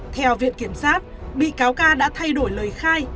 theo viện kiểm sát bị cáo ca đã thay đổi lời khai